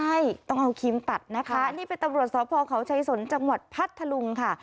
ใช่ต้องเอาครีมตัดนะคะนี่เป็นตำรวจสพเขาชัยสนจังหวัดพัทธลุงค่ะ